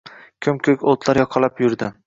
Ko‘m-ko‘k o‘tlar yoqalab yurdi.